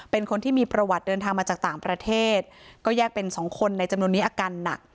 เป็นคนที่มีประวัติเดินทางมาจากต่างประเทศก็แยกเป็นสองคนในจำนวนนี้อาการหนัก